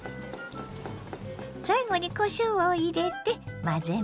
最後にこしょうを入れて混ぜます。